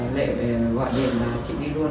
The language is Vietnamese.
lệ gọi điện là chị đi luôn